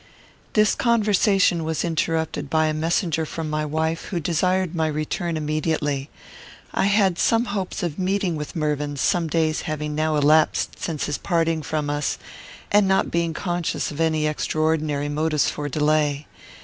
This conversation was interrupted by a messenger from my wife, who desired my return immediately. I had some hopes of meeting with Mervyn, some days having now elapsed since his parting from us, and not being conscious of any extraordinary motives for delay.